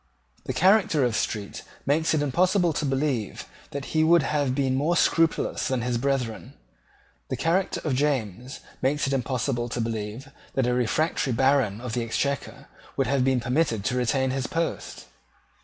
The character of Street makes it impossible to believe that he would have been more scrupulous than his brethren. The character of James makes it impossible to believe that a refractory Baron of the Exchequer would have been permitted to retain his post.